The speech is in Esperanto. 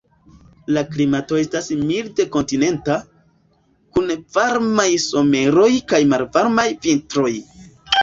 La klimato estas milde kontinenta, kun varmaj someroj kaj malvarmaj vintroj.